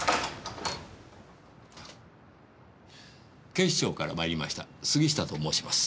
警視庁から参りました杉下と申します。